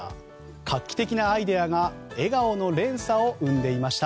画期的なアイデアが笑顔の連鎖を生んでいました。